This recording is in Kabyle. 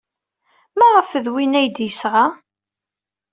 Maɣef d win ay d-yesɣa?